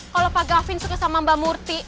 kalau pak gavin suka sama mbak murti